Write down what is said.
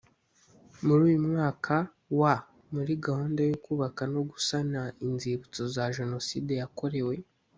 muri uyu mwaka wa muri gahunda yo kubaka no gusana inzibutso za jenoside yakorewe